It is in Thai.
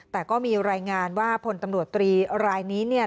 แต่ก็มีรายงานว่าพลตำรวจตรีรายนี้เนี่ย